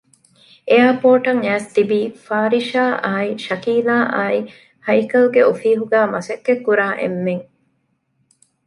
އެއަރޕޯރޓަށް އައިސް ތިބީ ފާރިޝާ އާއި ޝަކީލާ އާއި ހައިކަލްގެ އޮފީހުގައި މަސައްކަތްކުރާ އެންމެން